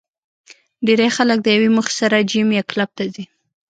ډېری خلک د یوې موخې سره جېم یا کلب ته ځي